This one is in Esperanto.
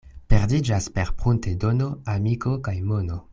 Perdiĝas per pruntedono amiko kaj mono.